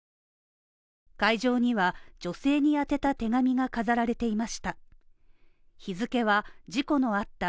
会場には女性に宛てた手紙が飾られていました。